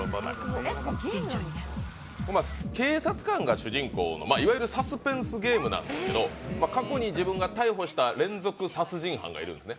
警察官が主人公の、いわゆるサスペンスゲームなんですけど過去に自分が逮捕した連続殺人犯がいるんですね。